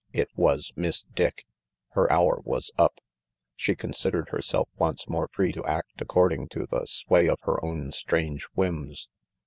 It was Miss Dick. Her hour was up. She considered herself once more free to act according to the sway of her own strange whims.